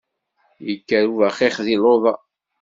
Yekker ubaxix di luḍa!